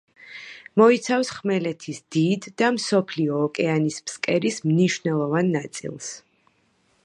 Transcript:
მოიცავს ხმელეთის დიდ და მსოფლიო ოკეანის ფსკერის მნიშვნელოვან ნაწილს.